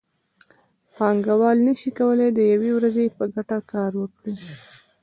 پانګوال نشي کولی د یوې ورځې په ګټه کار وکړي